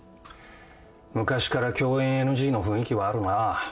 昔から共演ＮＧの雰囲気はあるな。